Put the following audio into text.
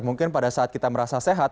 mungkin pada saat kita merasa sehat